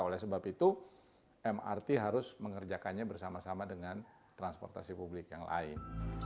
oleh sebab itu mrt harus mengerjakannya bersama sama dengan transportasi publik yang lain